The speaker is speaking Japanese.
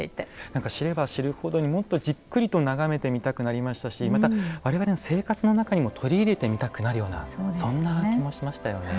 何か知れば知るほどにもっとじっくりと眺めてみたくなりましたしまた我々の生活の中にも取り入れてみたくなるようなそんな気もしましたよね。